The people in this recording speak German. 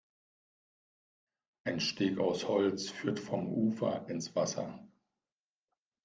Ein Steg aus Holz führt vom Ufer ins Wasser.